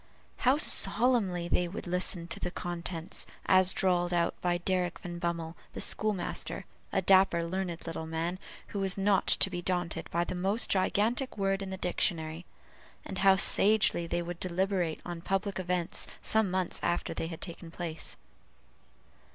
How solemnly they would listen to the contents, as drawled out by Derrick Van Bummel, the school master, a dapper learned little man, who was not to be daunted by the most gigantic word in the dictionary; and how sagely they would deliberate upon public events some months after they had taken place.